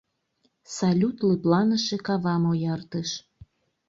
Салют лыпланыше кавам ояртыш.